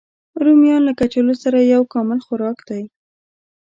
رومیان له کچالو سره یو کامل خوراک دی